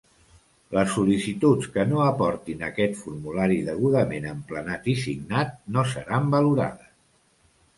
Les sol·licituds que no aportin aquest formulari degudament emplenat i signat no seran valorades.